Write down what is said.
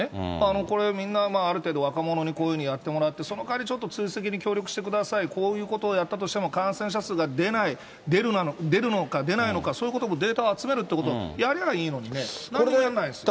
これ、みんな、ある程度、若者にやってもらって、そのかわりちょっと追跡にちょっと協力してください、こういうことをやったとしても感染者数が出ない、出るのか出ないのか、そういうこともデータを集めるってことをやればいいのにね、なんにもやらないんですもん。